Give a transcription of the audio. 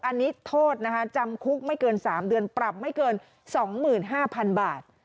อันนี้โทษนะคะจำคุกไม่เกินสามเดือนปรับไม่เกินสองหมื่นห้าพันบาท